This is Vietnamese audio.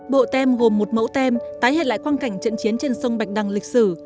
bộ tem gồm một mẫu tem tái hiện lại quan cảnh trận chiến trên sông bạch đằng lịch sử